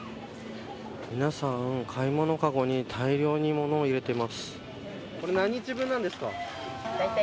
皆さん、買い物かごに大量に物を入れています。